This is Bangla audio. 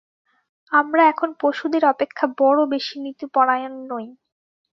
আমরা এখন পশুদের অপেক্ষা বড় বেশী নীতিপরায়ণ নই।